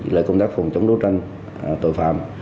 lời công tác phòng chống đấu tranh tội phạm